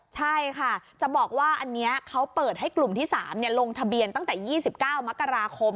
ใช่ค่ะจะบอกว่าอันนี้เขาเปิดให้กลุ่มที่๓ลงทะเบียนตั้งแต่๒๙มกราคม